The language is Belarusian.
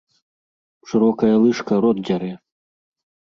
Шырокая лыжка рот дзярэ